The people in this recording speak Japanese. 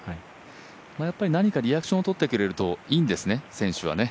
何かリアクションをとってくれるといいんですね、選手はね。